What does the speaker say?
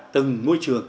từng môi trường